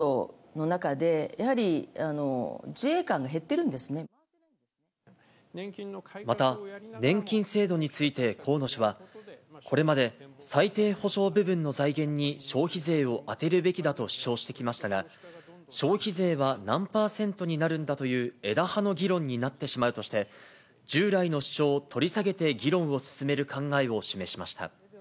なぜならば、またイージス艦でミサイル防衛を考えているけれども、人口減少の中で、また、年金制度について河野氏は、これまで最低保障部分の財源に消費税を充てるべきだと主張してきましたが、消費税は何％になるんだという枝葉の議論になってしまうとして、従来の主張を取り下げて議論を進める考えを示しました。